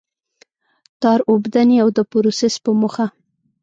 تار اوبدنې او د پروسس په موخه.